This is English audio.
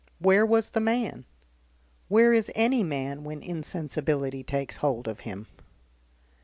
Where was the man? Where is any man when insensibility takes hold of him?